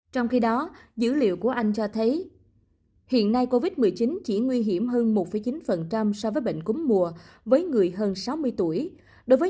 trong khi đó dữ liệu của anh cho thấy hiện nay covid một mươi chín chỉ nguy hiểm hơn một chín so với bệnh cúm mùa với người hơn sáu mươi tuổi